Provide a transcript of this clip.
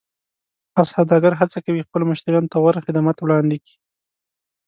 هر سوداګر هڅه کوي خپلو مشتریانو ته غوره خدمت وړاندې کړي.